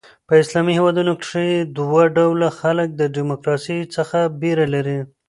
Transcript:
په اسلامي هیوادونو کښي دوه ډوله خلک د ډیموکراسۍ څخه بېره لري.